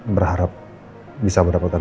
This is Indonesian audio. berharap bisa mendapatkan